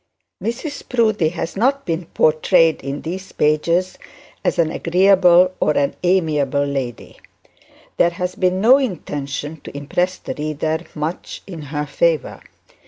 Mrs Proudie has not been portrayed in these pages as an agreeable or amiable lady. There has been no intention to impress the reader much in her favour.